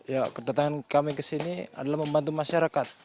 ya kedatangan kami ke sini adalah membantu masyarakat